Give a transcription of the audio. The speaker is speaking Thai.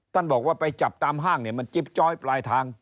ท่านบอกว่าไปจับตามห้างมันจิบจ้อยปลายทาง